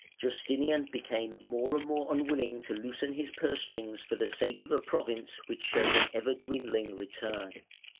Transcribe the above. Justinian became more and more unwilling to loosen his purse strings for the sake of a province which showed an ever dwindling return.